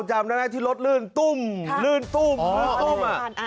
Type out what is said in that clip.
จำได้ไหมที่รถลื่นตุ้มลื่นตุ้มตุ้ม